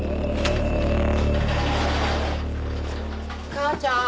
母ちゃーん！